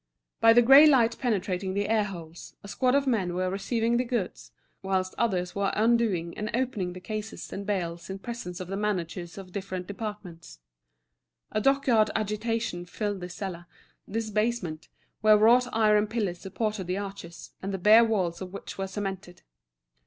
By the grey light penetrating the air holes, a squad of men were receiving the goods, whilst others were undoing and opening the cases and bales in presence of the managers of different departments. A dockyard agitation filled this cellar, this basement, where wrought iron pillars supported the arches, and the bare walls of which were cemented.